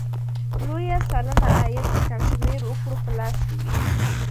لویه سلنه عاید د کم شمېر وګړو په لاس کې وي.